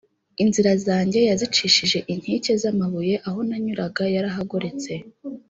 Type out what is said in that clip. Inzira zanjye yazīcishije inkike z’amabuye, Aho nanyuraga yarahagoretse.